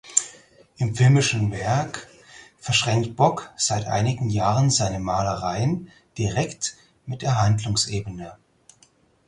Im filmischen Werk verschränkt Bock seit einigen Jahren seine Malereien direkt mit der Handlungsebene.